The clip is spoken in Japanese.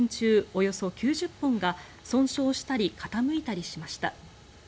およそ９０本が損傷したり傾いたりしました。